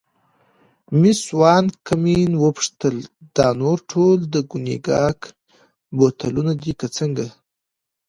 مېس وان کمپن وپوښتل: دا نور ټول د کونیګاک بوتلونه دي که څنګه؟